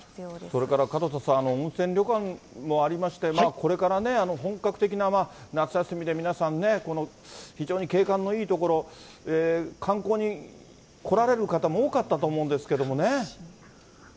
それから門田さん、温泉旅館もありまして、これから本格的な夏休みで皆さんね、非常に景観のいい所、観光に来られる方も多かったと思うんですけどもね。